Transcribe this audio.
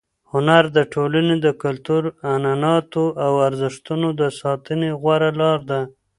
هنر د ټولنې د کلتور، عنعناتو او ارزښتونو د ساتنې غوره لار ده.